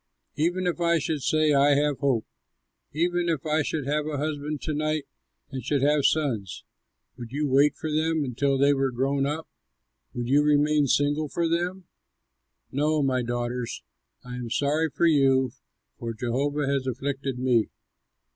Even if I should say, 'I have hope,' even if I should have a husband to night and should have sons, would you wait for them until they were grown up? Would you remain single for them? No, my daughters! I am sorry for you, for Jehovah has afflicted me."